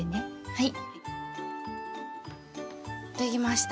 はい。